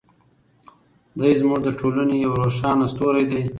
دی زموږ د ټولنې یو روښانه ستوری دی.